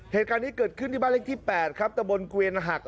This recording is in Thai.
เหตุการณ์นี้เกิดขึ้นที่บ้านเลขที่๘ครับตะบนเกวียนหัก